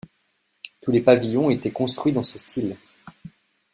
Tous les pavillons étaient construits dans ce style.